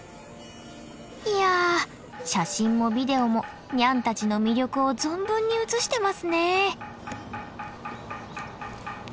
いや写真もビデオもニャンたちの魅力を存分に写してますね。